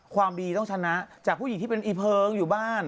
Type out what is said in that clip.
ความดีต้องชนะจากผู้หญิงที่เป็นอีเพลิงอยู่บ้าน